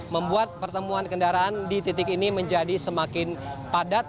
membuat pertemuan kendaraan di titik ini menjadi semakin padat